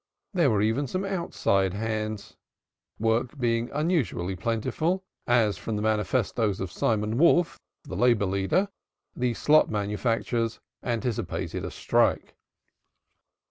There were even some outside "hands," work being unusually plentiful, as from the manifestos of Simon Wolf, the labor leader, the slop manufacturers anticipated a strike.